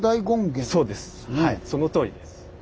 そのとおりです。